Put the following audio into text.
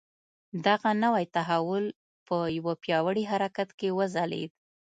دغه نوی تحول په یوه پیاوړي حرکت کې وځلېد.